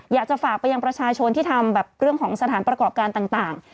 อยากจะฝากไปยังประชาชนที่ทำแบบเรื่องของสถานประกอบการต่าง